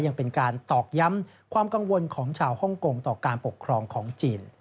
ยังเป็นการตอกย้ำความกังวลของชาวฮ่องกงต่อการปกครองของจีน